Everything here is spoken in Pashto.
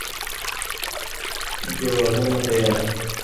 ځوابونه تيار کړئ.